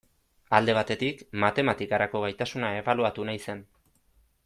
Alde batetik, matematikarako gaitasuna ebaluatu nahi zen.